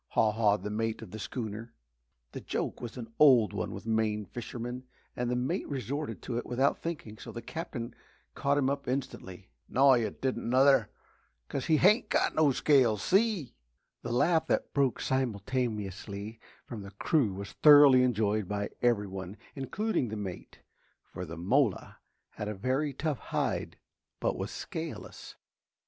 haw hawed the mate of the schooner. The joke was an old one with Maine fishermen and the mate resorted to it without thinking, so the Captain caught him up instantly. "Naw, yuh didn't nuther! Cuz he hain't got no scales see!" The laugh that broke simultaneously from the crew was thoroughly enjoyed by every one, including the mate, for the mola had a very tough hide but was scaleless.